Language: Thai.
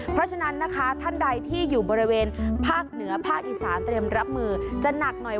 เพราะฉะนั้นนะคะท่านใดที่อยู่บริเวณภาคเหนือภาคอีสานเตรียมรับมือจะหนักหน่อย